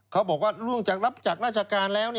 เขาบอกว่าล่วงจากรับจากราชการแล้ว